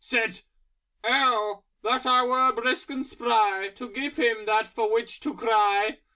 Said "Oh! that I were Brisk and Spry To give him that for which to cry!"